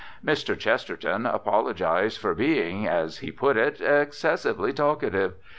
Mr. Chesterton apologised for being, as he put it, excessively talkative.